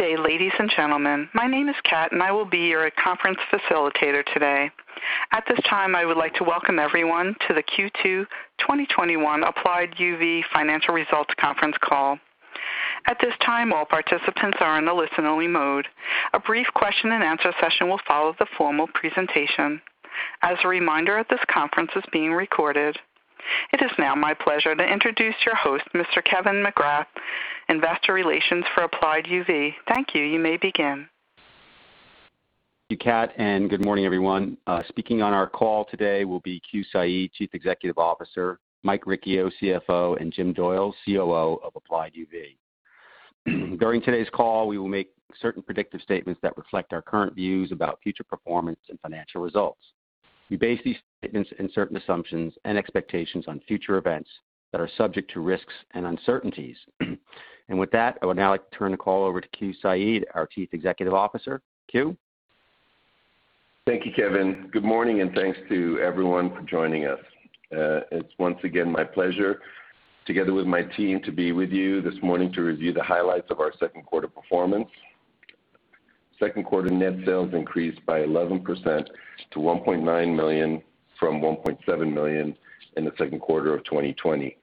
Good day, ladies and gentlemen. My name is Kat, and I will be your conference facilitator today. At this time, I would like to welcome everyone to the Q2 2021 Applied UV Financial Results Conference Call. At this time, all participants are in the listen-only mode. A brief question and answer session will follow the formal presentation. As a reminder, this conference is being recorded. It is now my pleasure to introduce your host, Mr. Kevin McGrath, Investor Relations Representative for Applied UV. Thank you. You may begin. Thank you, Kat, good morning, everyone. Speaking on our call today will be Keyoumars Saeed, Chief Executive Officer, Mike Riccio, Chief Financial Officer, and James Doyle, Chief Operating Officer of Applied UV. During today's call, we will make certain predictive statements that reflect our current views about future performance and financial results. We base these statements in certain assumptions and expectations on future events that are subject to risks and uncertainties. With that, I would now like to turn the call over to Keyoumars Saeed, our Chief Executive Officer. Keyou? Thank you, Kevin. Good morning, thanks to everyone for joining us. It's once again my pleasure, together with my team, to be with you this morning to review the highlights of our second quarter performance. Second quarter net sales increased by 11% to $1.9 million from $1.7 million in the second quarter of 2020.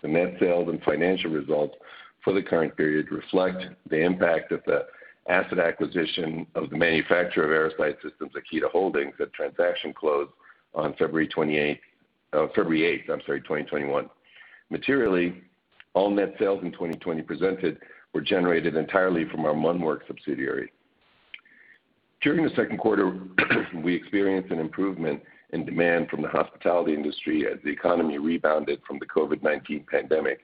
The net sales and financial results for the current period reflect the impact of the asset acquisition of the manufacturer of Airocide systems, Akida Holdings. That transaction closed on February 8, 2021. Materially, all net sales in 2020 presented were generated entirely from our MunnWorks subsidiary. During the second quarter, we experienced an improvement in demand from the hospitality industry as the economy rebounded from the COVID-19 pandemic.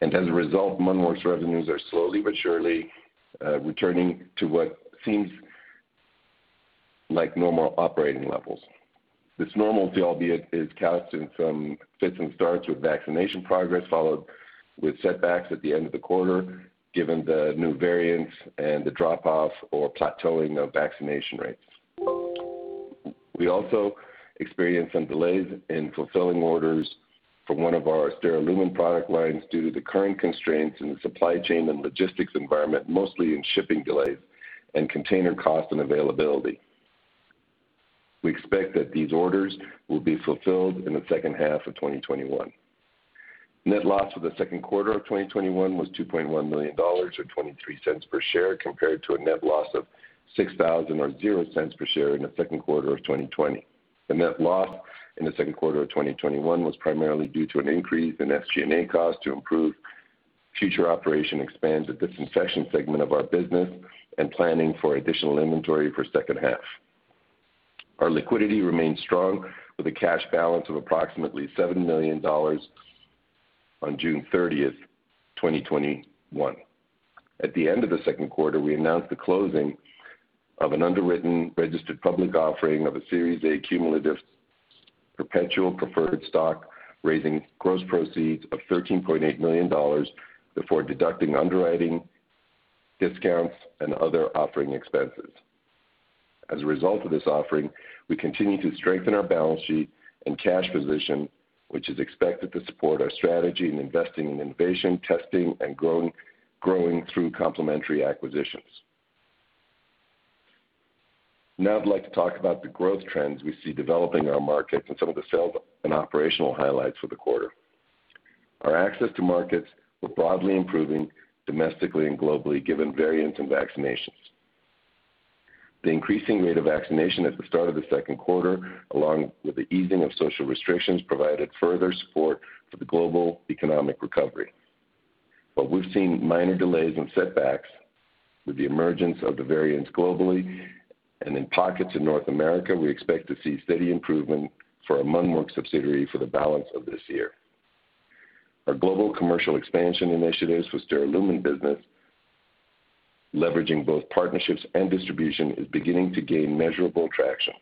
As a result, MunnWorks' revenues are slowly but surely returning to what seems like normal operating levels. This normalcy, albeit, is cast in some fits and starts with vaccination progress, followed with setbacks at the end of the quarter, given the new variants and the drop-off or plateauing of vaccination rates. We also experienced some delays in fulfilling orders for one of our SteriLumen product lines due to the current constraints in the supply chain and logistics environment, mostly in shipping delays and container cost and availability. We expect that these orders will be fulfilled in the second half of 2021. Net loss for the second quarter of 2021 was $2.1 million, or $0.23 per share, compared to a net loss of $6,000, or $0.00 per share in the second quarter of 2020. The net loss in the second quarter of 2021 was primarily due to an increase in Selling, General, and Administrative costs to improve future operations at disinfection segment of our business and planning for additional inventory for second half. Our liquidity remains strong with a cash balance of approximately $7 million on June 30th, 2021. At the end of the second quarter, we announced the closing of an underwritten registered public offering of a Series A cumulative perpetual preferred stock, raising gross proceeds of $13.8 million before deducting underwriting discounts and other offering expenses. As a result of this offering, we continue to strengthen our balance sheet and cash position, which is expected to support our strategy in investing in innovation, testing, and growing through complementary acquisitions. I'd like to talk about the growth trends we see developing in our markets and some of the sales and operational highlights for the quarter. Our access to markets were broadly improving domestically and globally, given variants and vaccinations. The increasing rate of vaccination at the start of the second quarter, along with the easing of social restrictions, provided further support for the global economic recovery. We've seen minor delays and setbacks with the emergence of the variants globally and in pockets in North America, we expect to see steady improvement for our MunnWorks subsidiary for the balance of this year. Our global commercial expansion initiatives for SteriLumen business, leveraging both partnerships and distribution, is beginning to gain measurable traction,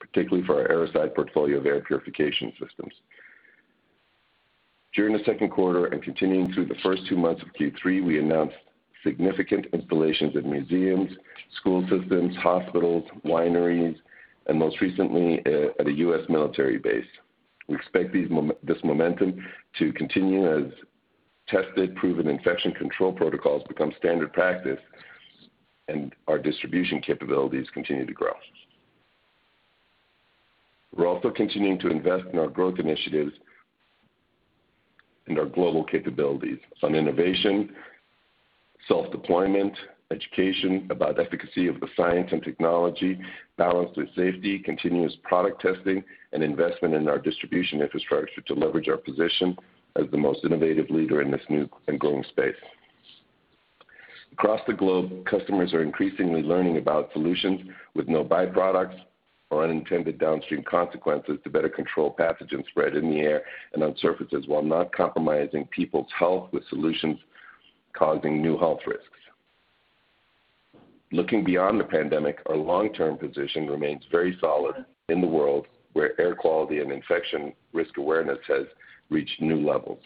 particularly for our Airocide portfolio of air purification systems. During the second quarter and continuing through the first two months of Q3, we announced significant installations at museums, school systems, hospitals, wineries, and most recently, at a U.S. military base. We expect this momentum to continue as tested, proven infection control protocols become standard practice and our distribution capabilities continue to grow. We're also continuing to invest in our growth initiatives and our global capabilities on innovation, sales deployment, education about efficacy of the science and technology, balanced with safety, continuous product testing, and investment in our distribution infrastructure to leverage our position as the most innovative leader in this new and growing space. Across the globe, customers are increasingly learning about solutions with no byproducts or unintended downstream consequences to better control pathogen spread in the air and on surfaces while not compromising people's health with solutions causing new health risks. Looking beyond the pandemic, our long-term position remains very solid in the world where air quality and infection risk awareness has reached new levels.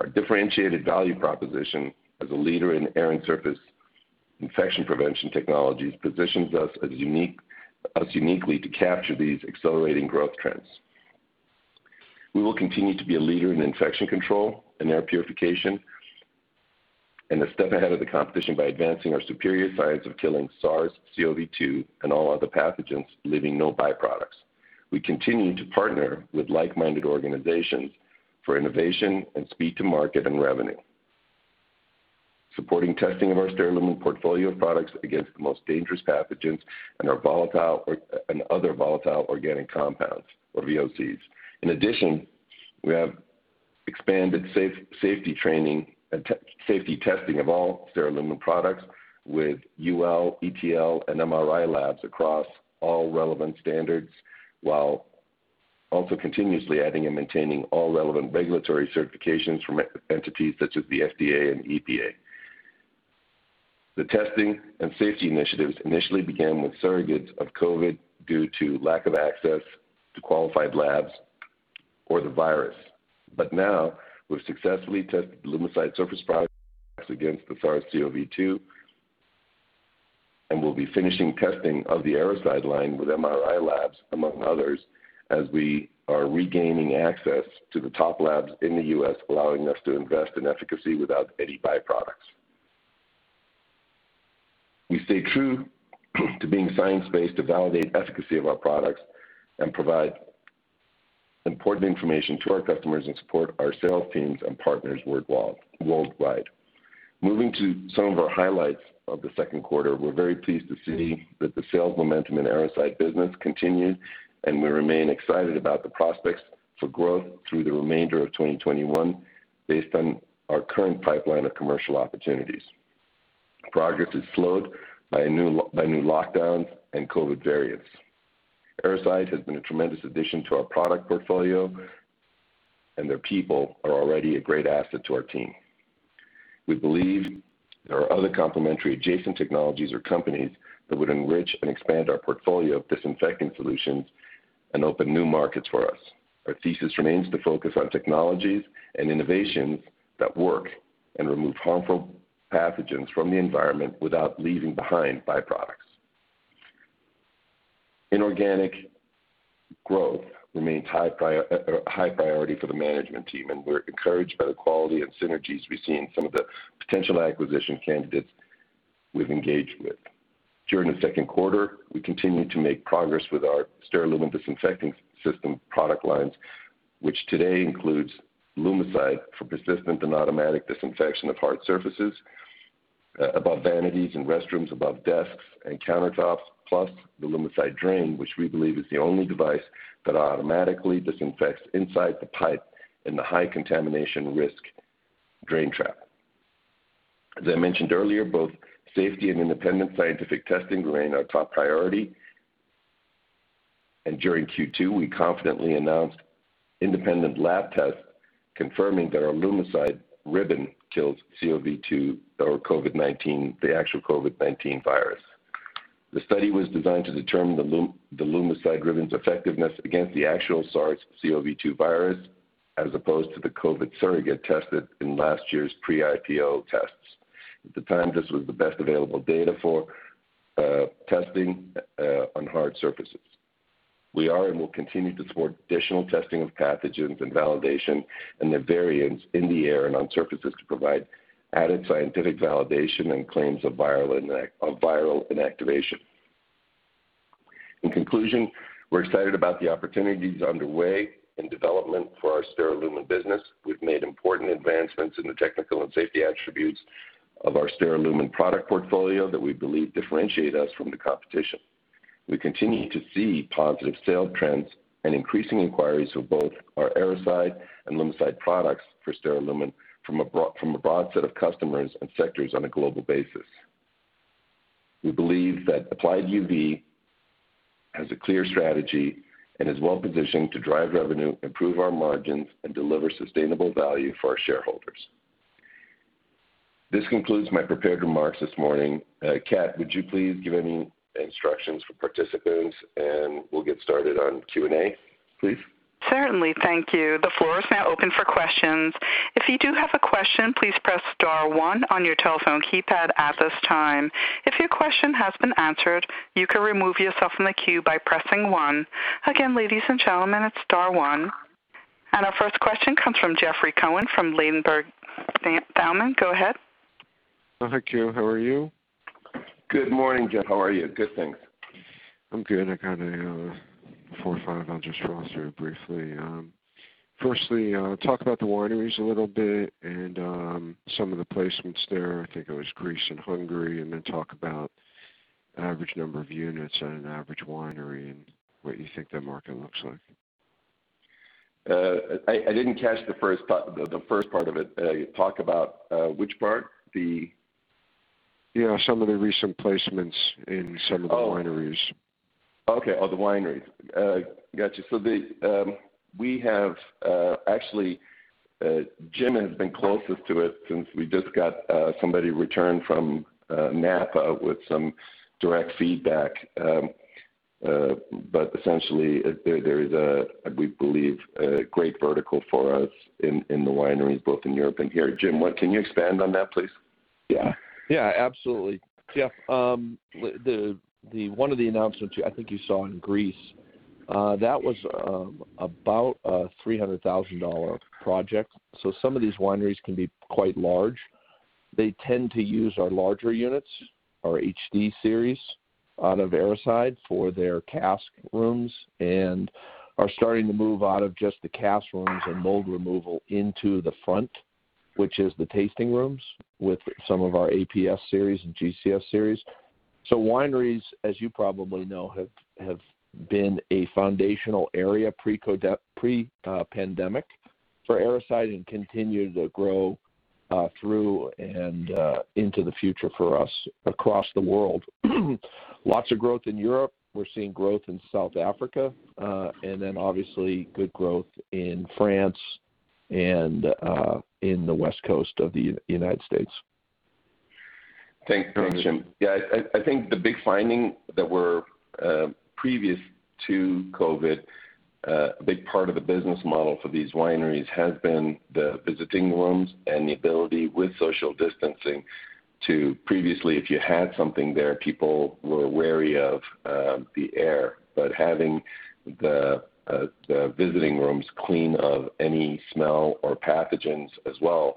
Our differentiated value proposition as a leader in air and surface infection prevention technologies positions us uniquely to capture these accelerating growth trends. We will continue to be a leader in infection control and air purification, and a step ahead of the competition by advancing our superior science of killing SARS-CoV-2 and all other pathogens, leaving no by-products. We continue to partner with like-minded organizations for innovation and speed to market and revenue, supporting testing of our SteriLumen portfolio of products against the most dangerous pathogens and other Volatile Organic Compounds, or VOCs. In addition, we have expanded safety testing of all SteriLumen products with Underwriters Laboratories, Electrical Testing Laboratories, and MRIGlobal across all relevant standards, while also continuously adding and maintaining all relevant regulatory certifications from entities such as the Food and Drug Administration and Environmental Protection Agency. The testing and safety initiatives initially began with surrogates of COVID-19 due to lack of access to qualified labs or the virus. Now, we've successfully tested the Lumicide surface products against the SARS-CoV-2, and we'll be finishing testing of the Airocide line with MRIGlobal, among others, as we are regaining access to the top labs in the U.S., allowing us to invest in efficacy without any by-products. We stay true to being science-based to validate efficacy of our products and provide important information to our customers and support our sales teams and partners worldwide. Moving to some of our highlights of the second quarter, we're very pleased to see that the sales momentum in Airocide business continued, and we remain excited about the prospects for growth through the remainder of 2021 based on our current pipeline of commercial opportunities. Progress has slowed by new lockdowns and COVID variants. Airocide has been a tremendous addition to our product portfolio, and their people are already a great asset to our team. We believe there are other complementary adjacent technologies or companies that would enrich and expand our portfolio of disinfectant solutions and open new markets for us. Our thesis remains to focus on technologies and innovations that work and remove harmful pathogens from the environment without leaving behind by-products. Inorganic growth remains high priority for the management team, and we're encouraged by the quality and synergies we see in some of the potential acquisition candidates we've engaged with. During the second quarter, we continued to make progress with our SteriLumen disinfecting system product lines, which today includes Lumicide for persistent and automatic disinfection of hard surfaces, above vanities in restrooms, above desks and countertops, plus the Lumicide Drain, which we believe is the only device that automatically disinfects inside the pipe in the high contamination risk drain trap. During Q2, we confidently announced independent lab tests confirming that our Lumicide Ribbon killed COVID-19, the actual COVID-19 virus. The study was designed to determine the Lumicide Ribbon's effectiveness against the actual SARS-CoV-2 virus, as opposed to the COVID surrogate tested in last year's pre-Initial Public Offering tests. At the time, this was the best available data for testing on hard surfaces. We are and will continue to support additional testing of pathogens and validation and their variants in the air and on surfaces to provide added scientific validation and claims of viral inactivation. In conclusion, we're excited about the opportunities underway in development for our SteriLumen business. We've made important advancements in the technical and safety attributes of our SteriLumen product portfolio that we believe differentiate us from the competition. We continue to see positive sales trends and increasing inquiries for both our Airocide and Lumicide products for SteriLumen from a broad set of customers and sectors on a global basis. We believe that Applied UV has a clear strategy and is well-positioned to drive revenue, improve our margins, and deliver sustainable value for our shareholders. This concludes my prepared remarks this morning. Kat, would you please give any instructions for participants, and we'll get started on Q&A, please. Certainly. Thank you. The floor is now open for questions. If you do have a question, please press star one on your telephone keypad at this time. If your question has been answered, you can remove yourself from the queue by pressing one. Again, ladies and gentlemen, it's star one. Our first question comes from Jeffrey Cohen from Ladenburg Thalmann. Go ahead. Thank you. How are you? Good morning, Jeff. How are you? Good, thanks. I'm good. I got four or five. I'll just roll through briefly. Firstly, talk about the wineries a little bit and some of the placements there, I think it was Greece and Hungary, and then talk about average number of units in an average winery and what you think that market looks like. I didn't catch the first part of it. Talk about which part? Yeah, some of the recent placements in some of the wineries. Okay. Oh, the wineries. Got you. Actually, James Doyle has been closest to it since we just got somebody returned from Napa with some direct feedback. Essentially, there is a, we believe, a great vertical for us in the wineries, both in Europe and here. James Doyle, can you expand on that, please? Yeah, absolutely. Jeff, one of the announcements I think you saw in Greece, that was about a $300,000 project. Some of these wineries can be quite large. They tend to use our larger units, our HD Series out of Airocide for their cask rooms, and are starting to move out of just the cask rooms and mold removal into the front, which is the tasting rooms, with some of our APS Series and GCS Series. Wineries, as you probably know, have been a foundational area pre-pandemic for Airocide and continue to grow through and into the future for us across the world. Lots of growth in Europe. We're seeing growth in South Africa, obviously good growth in France and in the West Coast of the United States. Thanks, James Yeah, I think the big finding that were previous to COVID, a big part of the business model for these wineries has been the visiting rooms and the ability with social distancing to previously, if you had something there, people were wary of the air. Having the visiting rooms clean of any smell or pathogens as well,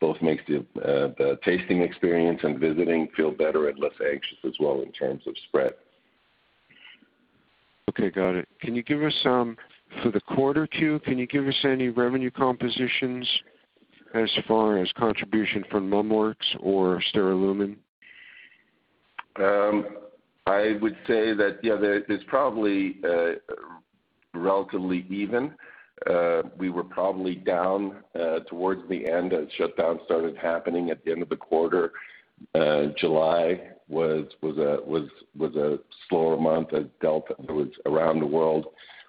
both makes the tasting experience and visiting feel better and less anxious as well, in terms of spread. Okay. Got it. For the quarter two, can you give us any revenue compositions as far as contribution from MunnWorks or SteriLumen? I would say that, yeah, there's probably relatively even. We were probably down towards the end as shutdown started happening at the end of the quarter. July was a slower month as Delta was around the world.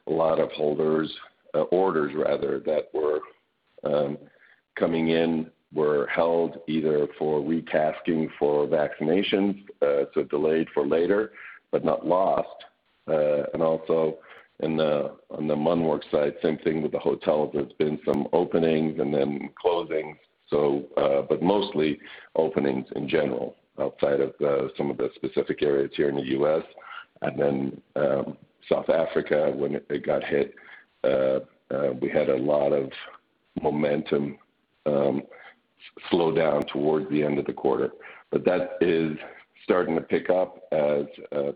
A lot of holders, orders rather, that were coming in were held either for retasking for vaccinations, so delayed for later, but not lost. Also on the MunnWorks side, same thing with the hotels. There's been some openings and then closings. Mostly openings in general, outside of some of the specific areas here in the U.S. South Africa, when it got hit, we had a lot of momentum slow down towards the end of the quarter. That is starting to pick up as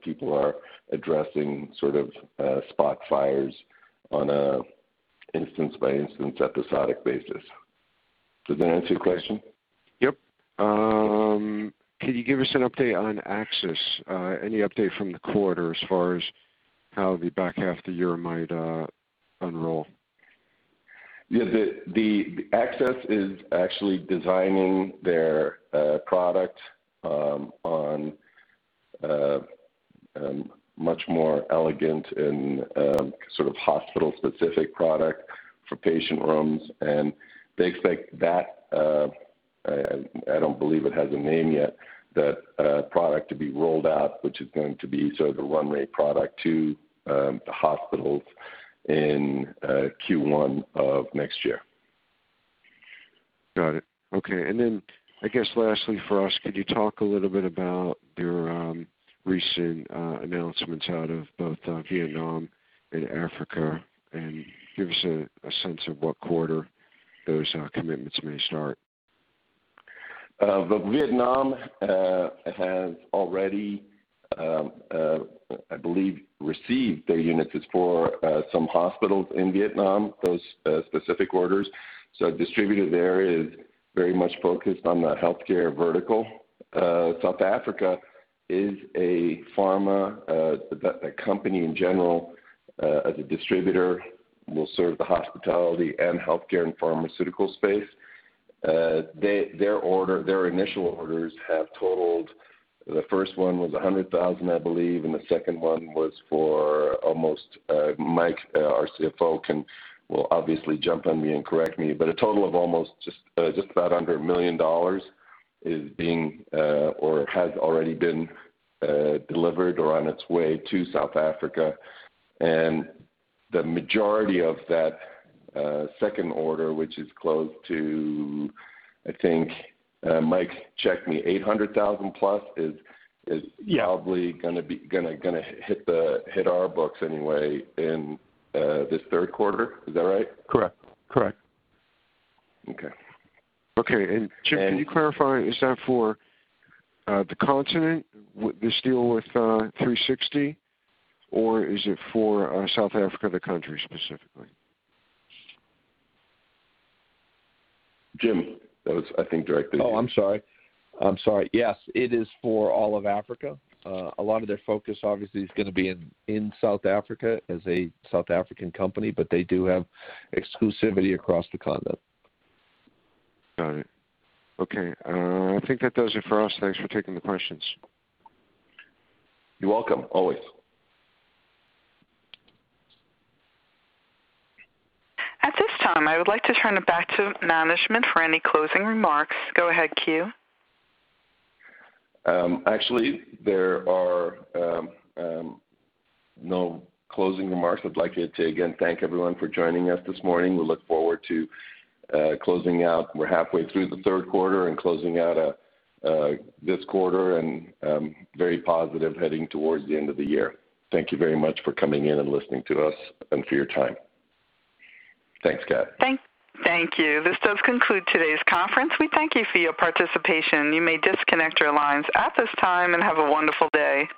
people are addressing sort of spot fires on a instance-by-instance episodic basis. Does that answer your question? Yep. Can you give us an update on Axis? Any update from the quarter as far as how the back half of the year might unroll? Yeah. The Axis is actually designing their product on much more elegant and sort of hospital-specific product for patient rooms, they expect that, I don't believe it has a name yet, that product to be rolled out, which is going to be sort of the runway product to the hospitals in Q1 of next year. Got it. Okay. I guess lastly for us, could you talk a little bit about your recent announcements out of both Vietnam and Africa, and give us a sense of what quarter those commitments may start? Vietnam has already, I believe, received their units. It's for some hospitals in Vietnam, those specific orders. Distributor there is very much focused on the healthcare vertical. South Africa is a pharma, a company in general, as a distributor, will serve the hospitality and healthcare and pharmaceutical space. Their initial orders have totaled, the first one was $100,000, I believe, and the second one was for almost, Mike Riccio, our CFO, will obviously jump on me and correct me, but a total of almost just about under million dollars is being, or has already been delivered or on its way to South Africa. The majority of that second order, which is close to, I think, Mike, check me, $800,000+ is probably going to hit our books anyway in this third quarter. Is that right? Correct. Okay. Okay. James, can you clarify, is that for the continent, this deal with 360, or is it for South Africa, the country specifically? James, that was, I think, directed at you. Oh, I'm sorry. Yes, it is for all of Africa. A lot of their focus obviously is going to be in South Africa as a South African company, but they do have exclusivity across the continent. Got it. Okay. I think that those are for us. Thanks for taking the questions. You're welcome. Always. At this time, I would like to turn it back to management for any closing remarks. Go ahead, Keyou. Actually, there are no closing remarks. I'd like to, again, thank everyone for joining us this morning. We look forward to closing out. We're halfway through the third quarter and closing out this quarter and very positive heading towards the end of the year. Thank you very much for coming in and listening to us and for your time. Thanks, Kat. Thank you. This does conclude today's conference. We thank you for your participation. You may disconnect your lines at this time and have a wonderful day.